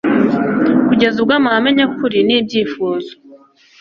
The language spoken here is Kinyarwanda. kugeza ubwo amahame nyakuri n’ibyifuzo